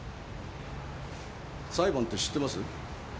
裁判って知ってます？